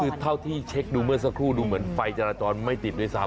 คือเท่าที่เช็คดูเมื่อสักครู่ดูเหมือนไฟจราจรไม่ติดด้วยซ้ำ